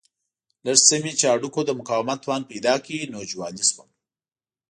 لږ څه مې چې هډوکو د مقاومت توان پیدا کړ نو جوالي شوم.